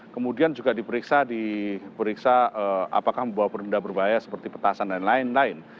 kemudian juga diperiksa diperiksa apakah membawa benda berbahaya seperti petasan dan lain lain